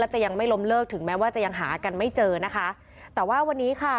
จะยังไม่ล้มเลิกถึงแม้ว่าจะยังหากันไม่เจอนะคะแต่ว่าวันนี้ค่ะ